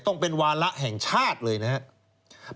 ต้องเป็นวาระแห่งชาติเลยนะครับ